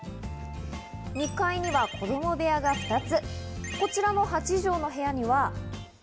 ２階には子供部屋が２つ。